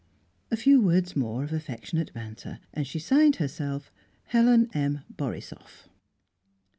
A few words more of affectionate banter, and she signed herself "Helen M. Borisoff."